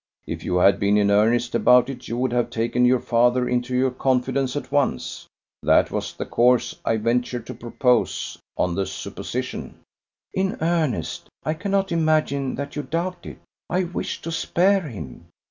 If you had been in earnest about it you would have taken your father into your confidence at once. That was the course I ventured to propose, on the supposition." "In earnest! I cannot imagine that you doubt it. I wished to spare him."